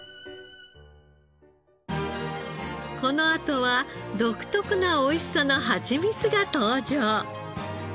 このあとは独特なおいしさのハチミツが登場。